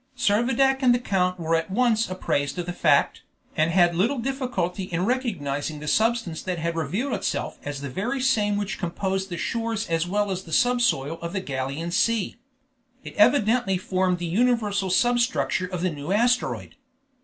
Servadac and the count were at once apprised of the fact, and had little difficulty in recognizing the substance that had revealed itself as the very same which composed the shores as well as the subsoil of the Gallian sea. It evidently formed the universal substructure of the new asteroid.